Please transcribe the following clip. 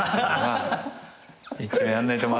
一応やんないとまずい。